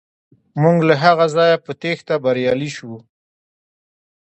موږ له هغه ځایه په تیښته بریالي شو.